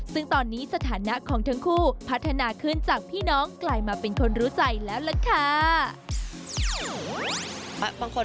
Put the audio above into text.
ซึ่งตอนนี้สถานะของทั้งคู่พัฒนาขึ้นจากพี่น้องกลายมาเป็นคนรู้ใจแล้วล่ะค่ะ